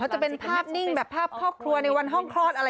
จะเป็นภาพนิ่งแบบภาพครอบครัวในวันห้องคลอดอะไร